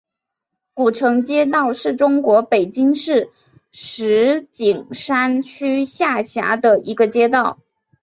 古城街道是中国北京市石景山区下辖的一个街道。